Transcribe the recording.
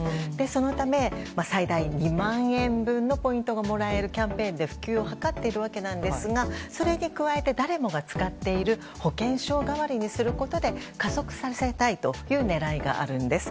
そのため最大２万円分のポイントがもらえるキャンペーンで普及を図っているわけなんですがそれに加えて誰もが使っている保険証代わりにすることで加速させたいという狙いがあるんです。